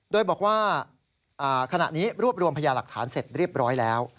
โดยบอกว่าขณะนี้รวบรวมพยาหลักฐานเสร็จเรียบร้อยแล้ว